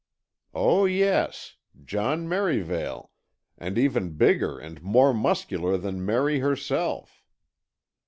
"Oh, yes. John Merivale, and even bigger and more muscular than 'Merry' herself.